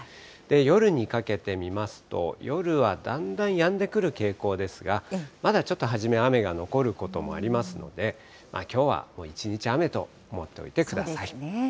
夜にかけて見ますと、夜はだんだんやんでくる傾向ですが、まだちょっと初め、雨が残ることもありますので、きょうは一日雨と思っておいてください。